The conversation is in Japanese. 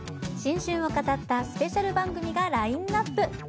新春を飾ったスペシャル番組がラインナップ。